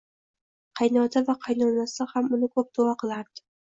Qaynota va qaynonasi ham uni ko`p duo qilardi